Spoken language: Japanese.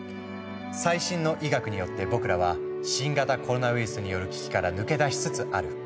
最新の医学によって僕らは新型コロナウイルスによる危機から抜け出しつつある。